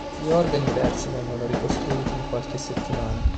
Gli organi persi vengono ricostituiti in qualche settimana.